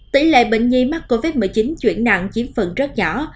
tỷ lệ bệnh nhi mắc covid một mươi chín chuyển nặng chiếm phần rất nhỏ